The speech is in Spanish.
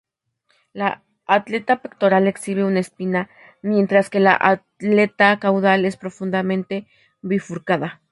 La aleta pectoral exhibe una espina; mientras que la aleta caudal es profundamente bifurcada.